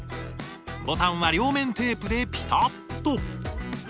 ボタンは両面テープでピタッと。